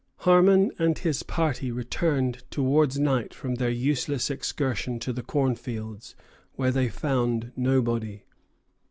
Harmon and his party returned towards night from their useless excursion to the cornfields, where they found nobody.